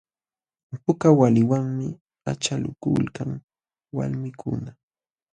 Puka waliwanmi achalakulkan walmikuna.